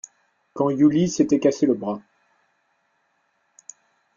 Quand Yulizh s’était cassée le bras.